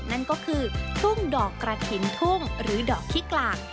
นั่นก็คือทุ่งดอกกระถิ่นทุ่งหรือดอกที่กลาง